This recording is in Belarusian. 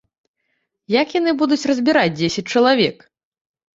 Як яны будуць разбіраць дзесяць чалавек?